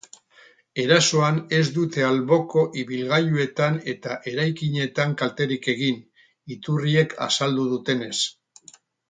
Erasoan ez dute alboko ibilgailuetan eta eraikinetan kalterik egin, iturriek azaldu dutenez.